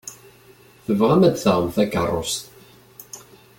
Tebɣam ad d-taɣem takeṛṛust.